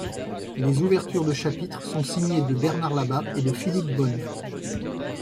Les ouvertures de chapitres sont signées de Bernard Labat et de Philippe Bone.